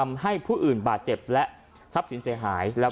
ก็แค่มีเรื่องเดียวให้มันพอแค่นี้เถอะ